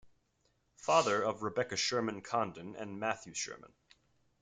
Father of Rebekah Sherman Condon and Matthew Sherman.